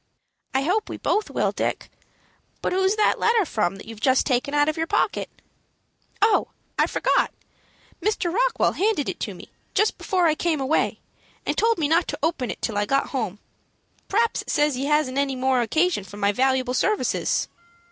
"I hope we both will, Dick. But who's that letter from that you've just taken out of your pocket?" "Oh, I forgot. Mr. Rockwell handed it to me just before I came away, and told me not to open it till I got home. P'r'aps it says that he hasn't no more occasion for my valuable services."